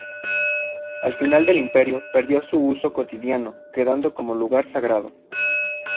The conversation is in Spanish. Al final del Imperio perdió su uso cotidiano quedando como lugar sagrado.